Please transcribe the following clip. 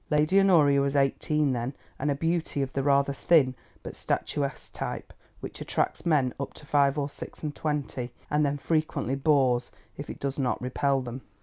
Lady Honoria was eighteen then, and a beauty of the rather thin but statuesque type, which attracts men up to five or six and twenty and then frequently bores, if it does not repel them.